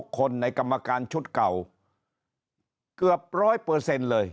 คนในกรรมการชุดเก่าเกือบ๑๐๐เลย